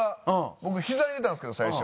僕ひざに出たんですけど最初。